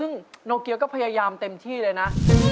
ซึ่งโนเกียก็พยายามเต็มที่เลยนะ